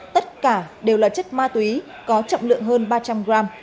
tất cả đều là chất ma túy có trọng lượng hơn ba trăm linh gram